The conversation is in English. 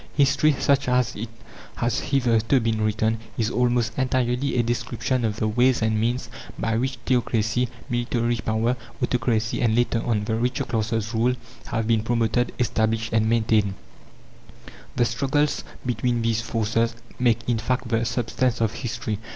History, such as it has hitherto been written, is almost entirely a description of the ways and means by which theocracy, military power, autocracy, and, later on, the richer classes' rule have been promoted, established, and maintained. The struggles between these forces make, in fact, the substance of history.